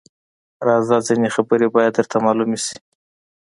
_راځه! ځينې خبرې بايد درته مالومې شي.